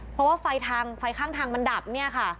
เพราะว่าไฟทางไฟข้างทางมันดับเนี่ยค่ะ